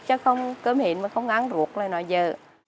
chứ không cơm hến mà không ăn ruột là nó dơ